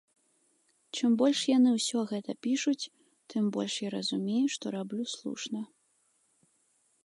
Чым больш яны ўсё гэта пішуць, тым больш я разумею, што раблю слушна.